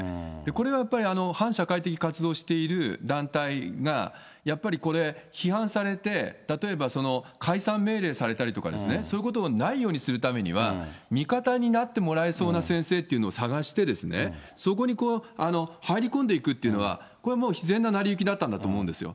これはやっぱり、反社会的活動をしている団体が、やっぱりこれ、批判されて、例えば、解散命令されたりとかですね、そういうことのないようにするためには、味方になってもらえそうな先生っていうのを探して、そこに入り込んでいくっていうのは、これもう自然な成り行きだったんだと思うんですよ。